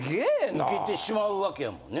いけてしまうわけやもんね。